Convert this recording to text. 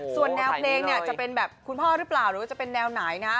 ส่วนแนวเพลงเนี่ยจะเป็นแบบคุณพ่อหรือเปล่าหรือว่าจะเป็นแนวไหนนะ